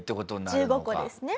１５個ですね。